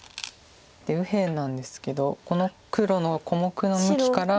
右辺なんですけどこの黒の小目の向きから。